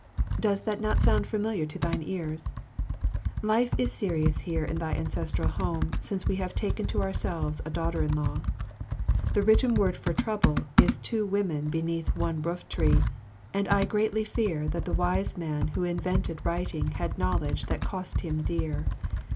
"Does that not sound familiar to thine ears? Life is serious here in thine ancestral home since we have taken to ourselves a daughter in law. The written word for trouble is two women beneath one rooftree, and I greatly fear that the wise man who invented writing had knowledge that cost him dear.